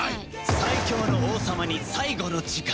最強の王様に最後の時間。